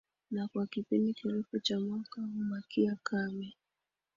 na kwa kipindi kirefu cha mwaka hubakia kame